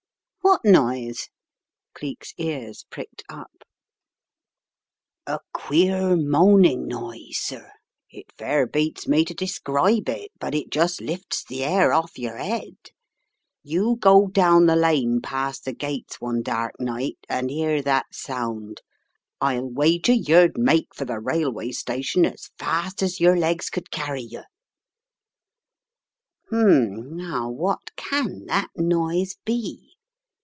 "What noise?" Cleek's ears pricked up. "A queer moaning noise, sir. It fair beats me to describe it, but it just lifts the 'air off yer 'ead. You go down the lane past the gates, one dark night, and 'ear that sound. I'll wager yer'd make for the rail way station as fast as yer legs could carry yer." " Hum ! now what can that noise be?